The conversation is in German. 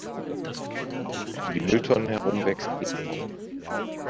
Um die Mülltonnen herum wächst Efeu.